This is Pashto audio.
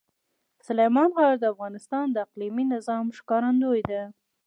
سلیمان غر د افغانستان د اقلیمي نظام ښکارندوی ده.